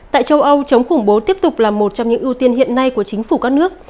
tại châu âu chống khủng bố tiếp tục là một trong những ưu tiên hiện nay của chính phủ các nước